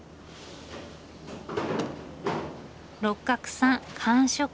六角さん完食！